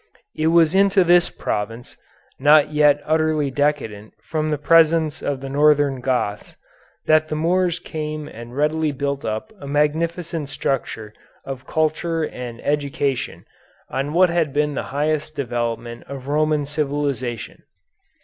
It was into this province, not yet utterly decadent from the presence of the northern Goths, that the Moors came and readily built up a magnificent structure of culture and education on what had been the highest development of Roman civilization.